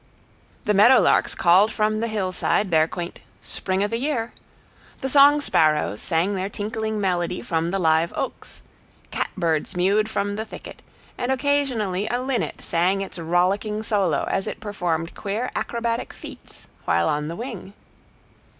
[Illustration: THE TROUT'S PARADISE] The meadow larks called from the hillside their quaint "Spring o' the year," the song sparrows sang their tinkling melody from the live oaks, catbirds mewed from the thicket, and occasionally a linnet sang its rollicking solo as it performed queer acrobatic feats while on the wing.